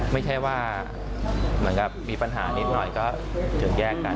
ไม่ใช่ว่าเหมือนกับมีปัญหานิดหน่อยก็ถึงแยกกัน